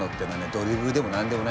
ドリブルでも何でもない。